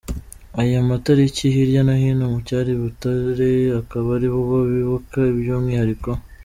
Aya mataliki hirya no hino mu cyari Butare akaba ari bwo bibuka by’umwihariko.